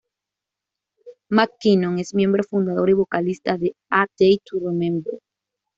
McKinnon es miembro, fundador y vocalista de A Day to Remember.